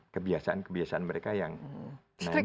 kebiasaan kebiasaan mereka yang naik